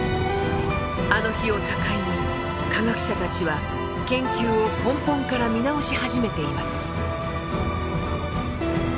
あの日を境に科学者たちは研究を根本から見直し始めています。